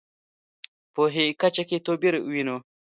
پوهې کچه کې توپیر وینو.